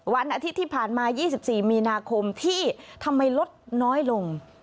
วันอาทิตย์ที่ผ่านมา๒๔มีนาคมที่ทำไมลดน้อยลง